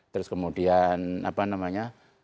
terus kemudian apa namanya